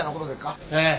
ええ。